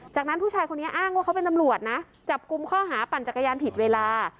จากนั้นผู้ชายคนนี้อ้างว่าเขาเป็นตำรวจนะจับกลุ่มข้อหาปั่นจักรยานผิดเวลา